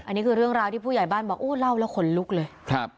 อันนี้คือเรื่องราวที่ผู้ใหญ่บ้านบอกโอ้เล่าแล้วขนลุกเลยครับ